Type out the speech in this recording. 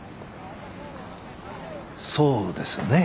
そうですね。